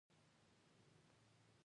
د قاضي مسلم صاحب انتظار کاوه.